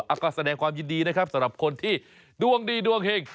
ก็แสดงความยินดีนะครับสำหรับคนที่ดวงดีดวงเห็ง